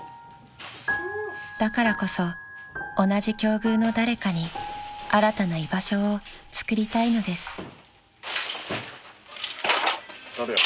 ［だからこそ同じ境遇の誰かに新たな居場所をつくりたいのです］